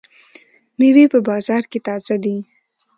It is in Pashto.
مېوې په بازار کې تازه دي.